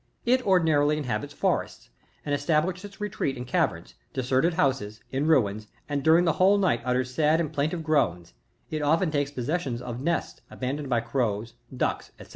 It ordinarily inhabits forests, and establishes its retreat in caverns, deserted houses, in ruins, and during the whole night utters sad and plaintive groans ; it often takes pos session of nests abandoned "by crows, ducks, &c.